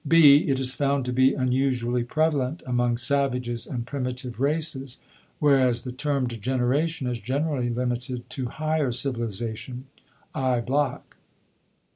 (b) It is found to be unusually prevalent among savages and primitive races, whereas the term degeneration is generally limited to higher civilization (I. Bloch).